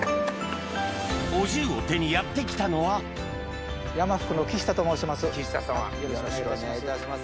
お重を手にやって来たのは木下さま